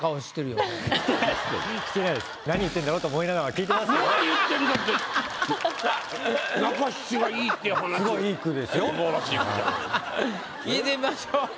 聞いてみましょう。